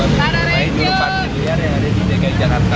mengenai juruparkir liar yang ada di dki jakarta